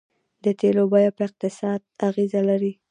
د تیلو بیه په اقتصاد اغیز لري.